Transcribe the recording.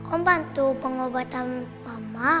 om bantu pengobatan mama